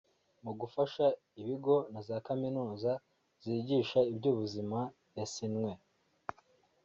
mu gufasha ibigo na za Kaminuza zigisha iby’ubuzima yasinwe